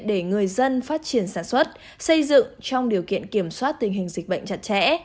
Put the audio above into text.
để người dân phát triển sản xuất xây dựng trong điều kiện kiểm soát tình hình dịch bệnh chặt chẽ